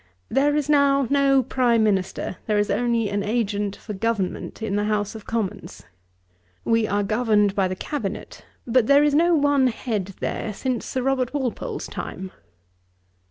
There is now no Prime Minister: there is only an agent for government in the House of Commons. We are governed by the Cabinet: but there is no one head there since Sir Robert Walpole's time.'